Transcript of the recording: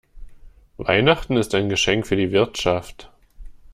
Weihnachten ist ein Geschenk für die Wirtschaft.